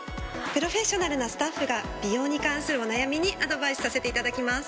プロフェッショナルなスタッフが美容に関するお悩みにアドバイスさせていただきます。